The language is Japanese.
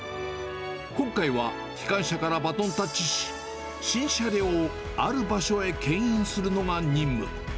今回は機関車からバトンタッチし、新車両をある場所へけん引するのが任務。